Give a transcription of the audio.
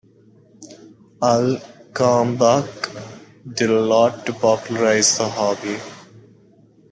Al Kalmbach did a lot to popularize the hobby.